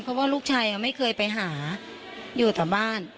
เพราะว่าลูกชายไม่เคยไปหาอยู่แต่บ้าน